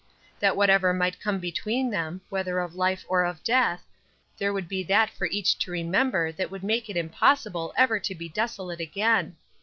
That whatever might come between them, whether of life or of death, there would be that for each to remember that would make it impossible ever to be desolate again.